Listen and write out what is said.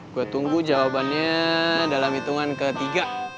gue tunggu jawabannya dalam hitungan ketiga